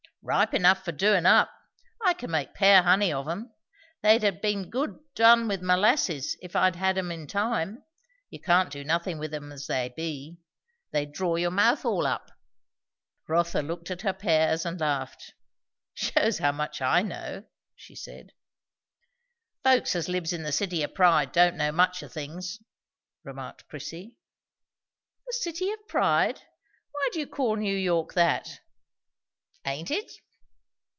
"Ripe enough for doin' up. I can make pear honey of 'em. They'd ha' been good done with molasses, if I'd ha' had 'em in time. You can't do nothin' with 'em as they be. They'd draw your mouth all up." Rotha looked at her pears and laughed. "Shews how much I know!" she said. "Folks as lives in the City o' Pride don't know much o' things!" remarked Prissy. "The City of Pride. Why do you call New York that?" "Aint it?"